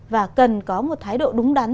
và cần có một thái độ đúng đắn